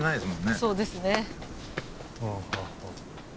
そうですね。